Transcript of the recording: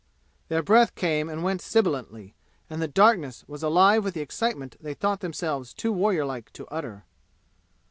Their breath came and went sibilantly, and the darkness was alive with the excitement they thought themselves too warrior like to utter.